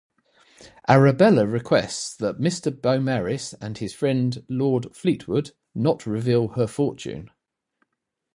Arabella requests that Mr Beaumaris and his friend Lord Fleetwood not reveal her "fortune".